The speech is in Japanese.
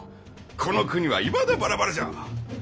この国はいまだバラバラじゃ。